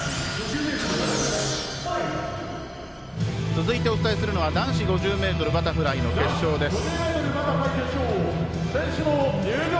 続いて、お伝えするのは男子５０ｍバタフライの決勝です。